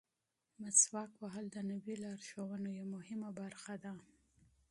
مسواک وهل د نبوي لارښوونو یوه مهمه برخه ده.